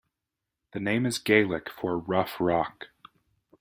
The name is Gaelic for "rough rock".